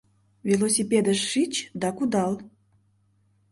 — Велосипедыш шич да кудал...